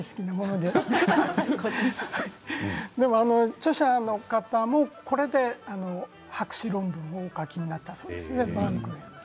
でも著者の方もこれで博士論文をお書きになったそうです。